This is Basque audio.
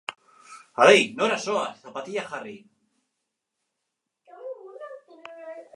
Horren haritik, azken laudoak pilotuen soldaten proposamena gehiago murrizten zuela gogoratu du.